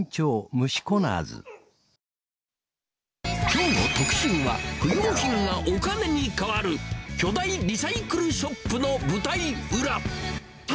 きょうの特集は、不用品がお金に変わる、巨大リサイクルショップの舞台裏。